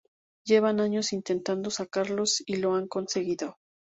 Llevan años intentando sacarlos y lo han conseguido.